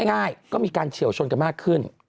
ง่ายก็มีการเฉียวชนกันมากขึ้น